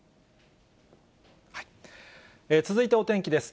続いてお天気です。